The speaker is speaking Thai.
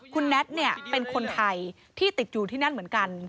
คุณแน็ตเนี่ยเป็นคนไทยที่ติดอยู่ที่นั่นเหมือนกัน